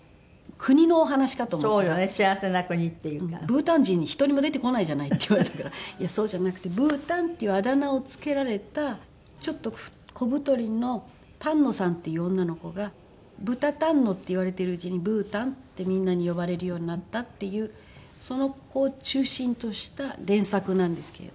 「ブータン人１人も出てこないじゃない」って言われたからいやそうじゃなくて「ブータン」っていうあだ名を付けられたちょっと小太りの丹野さんっていう女の子が「ブタ丹野」って言われてるうちに「ブータン」ってみんなに呼ばれるようになったっていうその子を中心とした連作なんですけれども。